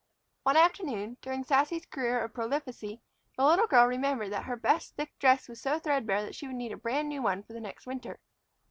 One afternoon during Sassy's career of prolificacy, the little girl remembered that her best thick dress was so threadbare that she would need a brand new one for the next winter.